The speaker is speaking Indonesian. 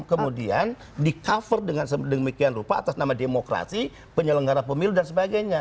kemudian di cover dengan sedemikian rupa atas nama demokrasi penyelenggara pemilu dan sebagainya